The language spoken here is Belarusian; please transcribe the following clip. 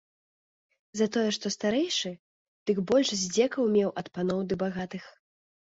Затое што старэйшы, дык больш здзекаў меў ад паноў ды багатых.